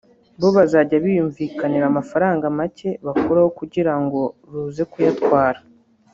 bo bazajya biyumvikanira amafaranga make bakuraho kugira ngo ruze kuyatwara